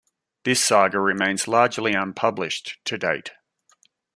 This saga remains largely unpublished to date.